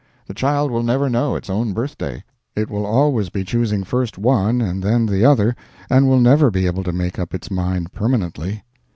The child will never know its own birthday. It will always be choosing first one and then the other, and will never be able to make up its mind permanently.